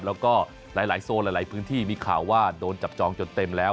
แล้วก็หลายโซนหลายพื้นที่มีข่าวว่าโดนจับจองจนเต็มแล้ว